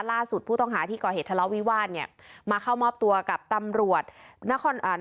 ล่าสุดผู้ต้องหาที่ก่อเหตุทะเลาะวิวาสเนี่ยมาเข้ามอบตัวกับตำรวจนครอ่า